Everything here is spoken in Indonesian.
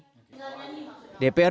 dprd jawa barat